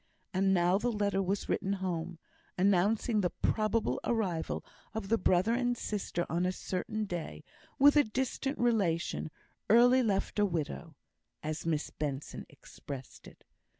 And now the letter was written home, announcing the probable arrival of the brother and sister on a certain day, "with a distant relation, early left a widow," as Miss Benson expressed it.